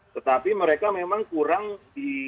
tetapi mereka memang kurang di